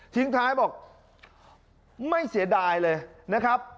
ทิ้งท้ายบอกไม่เสียดายเลยนะครับ